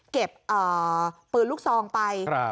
เก็บปืนลูกซองไป